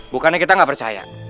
bukannya kita ga percaya